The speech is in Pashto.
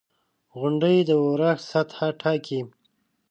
• غونډۍ د اورښت سطحه ټاکي.